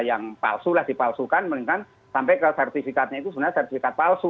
yang palsu lah dipalsukan mendingan sampai ke sertifikatnya itu sebenarnya sertifikat palsu